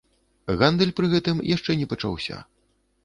Гандаль пры гэтым яшчэ не пачаўся.